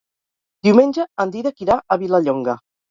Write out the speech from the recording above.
Diumenge en Dídac irà a Vilallonga.